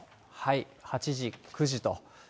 ８時、９時と。